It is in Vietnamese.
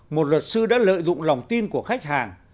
một luật sư đã lợi dụng lòng tin của khách hàng